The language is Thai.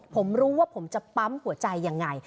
ผมรู้ว่าผมจะปั๊มหัวใจยังไง